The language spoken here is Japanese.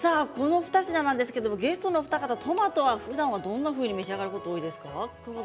ゲストのお二方トマトはふだんどんなふうに召し上がることが多いですか？